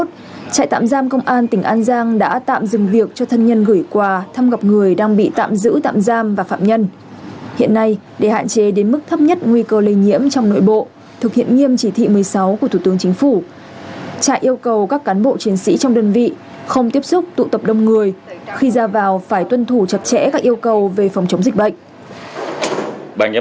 trại tạm giam công an tỉnh an giang đã tạm dừng việc cho thân nhân gửi quà thăm gặp người đang bị tạm giữ tạm giam và phạm nhân hiện nay để hạn chế đến mức thấp nhất nguy cơ lây nhiễm trong nội bộ thực hiện nghiêm chỉ thị một mươi sáu của thủ tướng chính phủ trại yêu cầu các cán bộ chiến sĩ trong đơn vị không tiếp xúc tụ tập đông người khi ra vào phải tuân thủ chặt chẽ các yêu cầu về phòng chống dịch bệnh